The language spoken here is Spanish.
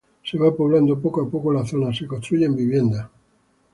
Se va poblando poco a poco la zona, se construyen viviendas.